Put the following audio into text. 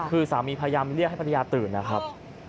คือสามีพยายามเรียกให้ภรรยาตื่นนะครับ